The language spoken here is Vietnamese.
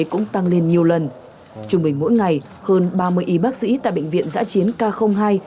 cũng tăng lên nhiều lần chúng mình mỗi ngày hơn ba mươi y bác sĩ tại bệnh viện giá chiến k hai